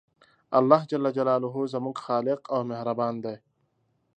الله ج زموږ خالق او مهربان دی